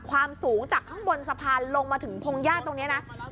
ความสูงจากข้างบนสะพานลงมาถึงพงหญ้าตรงนี้นะ